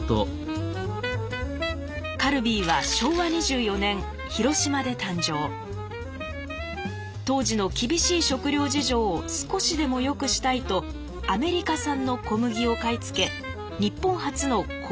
カルビーは当時の厳しい食料事情を少しでも良くしたいとアメリカ産の小麦を買い付け日本初の小麦製あられを製造。